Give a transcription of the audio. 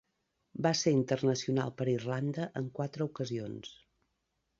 Va ser internacional per Irlanda en quatre ocasions.